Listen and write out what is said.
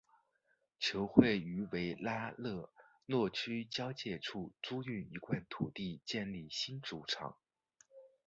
球会于维拉勒若区交界处租用一块土地建立新主场。